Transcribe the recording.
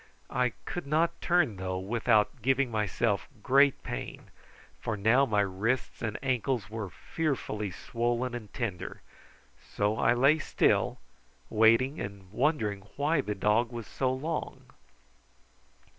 I could not turn, though, without giving myself great pain, for now my wrists and ankles were fearfully swollen and tender, so I lay still, waiting and wondering why the dog was so long.